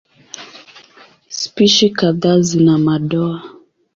Spishi kadhaa zina madoa.